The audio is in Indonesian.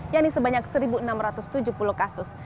yang disebanyak satu enam ratus tujuh puluh kasus